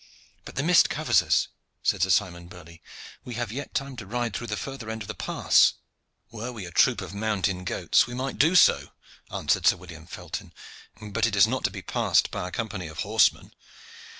"But the mist covers us," said Sir Simon Burley. "We have yet time to ride through the further end of the pass." "Were we a troop of mountain goats we might do so," answered Sir William Felton, "but it is not to be passed by a company of horsemen.